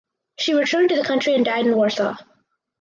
She returned to the country and died in Warsaw.